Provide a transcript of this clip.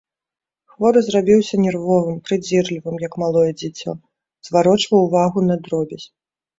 Хворы зрабіўся нервовым, прыдзірлівым, як малое дзіцё, зварочваў увагу на дробязь.